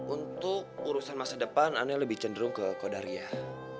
untuk urusan masa depan aneh lebih cenderung ke qadariyah